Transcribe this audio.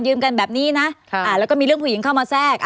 กันแบบนี้นะแล้วก็มีเรื่องผู้หญิงเข้ามาแทรก